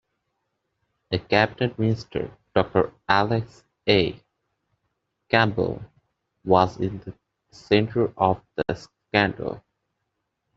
A cabinet minister Doctor Alex A. Campbell was in the centre of the scandal.